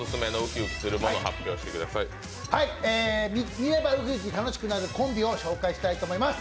見ればウキウキ楽しくなるコンビを紹介したいと思います。